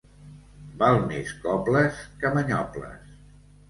Val més cobles que manyoples.